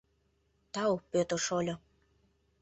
— Тау, Пӧтыр шольо.